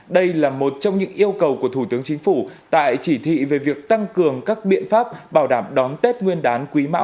đây là một trong những yêu cầu của thủ tướng chính phủ tại chỉ thị về việc tăng cường các biện pháp bảo đảm đón tết nguyên đán quý mão hai nghìn hai mươi ba